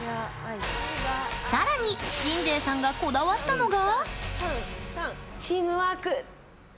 さらに、鎮西さんがこだわったのが。